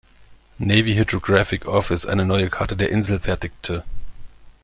Navy Hydrographic Office" eine neue Karte der Insel fertigte.